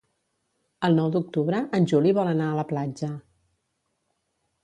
El nou d'octubre en Juli vol anar a la platja.